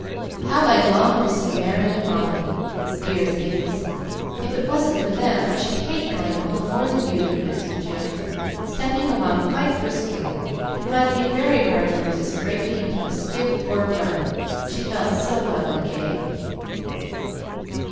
How I long to see Merry and Molly. Dear things, if it wasn't for them I should hate going home more than you do," answered Jill, stepping along quite briskly, and finding it very hard to resist breaking into a skip or a run, she felt so well and gay.